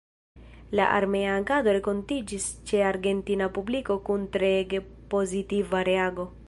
La armea agado renkontiĝis ĉe argentina publiko kun treege pozitiva reago.